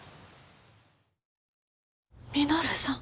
稔さん。